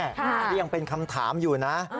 นี่ยังเป็นคำถามอยู่นะ